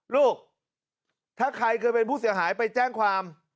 ลูกถ้าใครเคยเป็นผู้เสียหายไปแจ้งความ